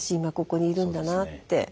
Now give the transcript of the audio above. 今ここにいるんだなって。